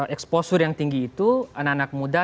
exposure yang tinggi itu anak anak muda